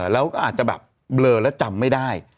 แล้วก็อาจจะแบบเบลอแล้วจำไม่ได้